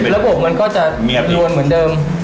ระบบมันก็จะยวนเหมือนเดิม